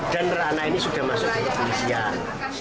dan anak anak ini sudah masuk ke polisian